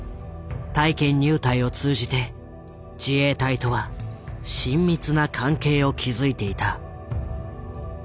体験入隊を通じて自衛隊とは親密な関係を築いていた。